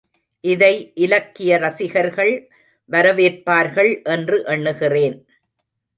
இதை இலக்கிய ரசிகர்கள் வரவேற்பாளர்கள் என்று எண்ணுகிறேன்.